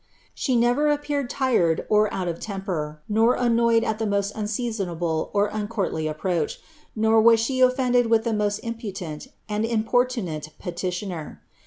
She never appeared tired, nor oat of temper, nor annoyed »t the niiMt unseasonable or uncourtly approach, nor was she offended willi the BWrt tmputlent and jmporiunaie petitioner.